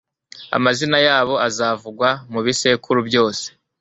amazina yabo azavugwa mu bisekuru byose